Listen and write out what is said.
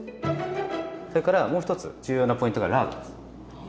それからもう一つ重要なポイントがラードです。